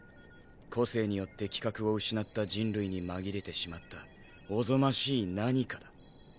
個性によって規格を失った人類に紛れてしまった悍ましいナニカだ。